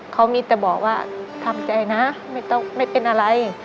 เขามีแต่บอกว่าทำใจนะไม่ต้องไม่เป็นอะไร